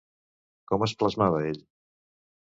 Com es plasmava ell?